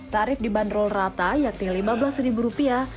tarif dibanderol rata yakni lima belas ribu rupiah